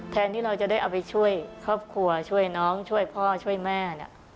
แทนที่เราจะได้เอาไปช่วยครอบครัวช่วยน้องช่วยพ่อช่วยแม่เนี่ย